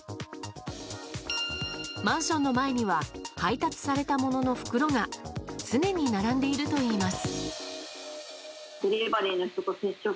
マンションの前には配達されたものの袋が常に並んでいるといいます。